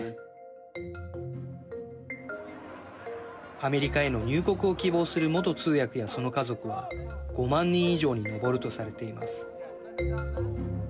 アメリカへの入国を希望する元通訳やその家族は５万人以上にのぼるとされています。